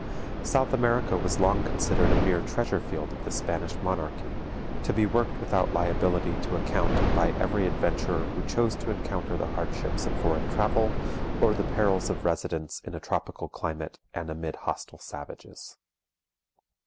South America was long considered a mere treasure field of the Spanish monarchy, to be worked without liability to account by every adventurer who chose to encounter the hardships of foreign travel, or the perils of residence in a tropical climate and amid hostile savages.